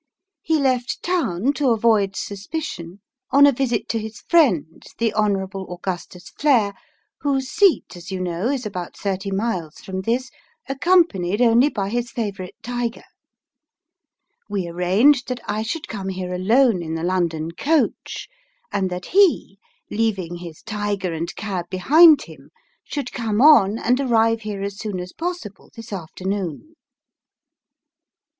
He left town, to avoid suspicion, on a visit to his friend, the Honourable Augustus Flair, whose seat, as you know, is about thirty miles from this, accompanied only by his favourite tiger. We arranged that I should come here alone in the London coach ; and that he, leaving his tiger and cab behind him, should come on, and arrive here as soon as possible this afternoon."